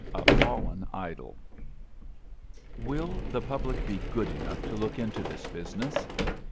A FALLEN IDOL "fTlTILL the public be good enough to look ^^ into this business?